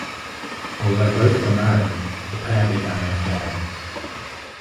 Although both were married, the pair began an affair.